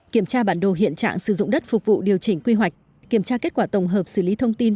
kiểm tra bản đồ hiện trạng sử dụng đất phục vụ điều chỉnh quy hoạch kiểm tra kết quả tổng hợp xử lý thông tin